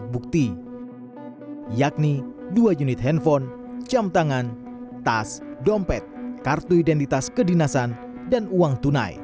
bukti yakni dua unit handphone jam tangan tas dompet kartu identitas kedinasan dan uang tunai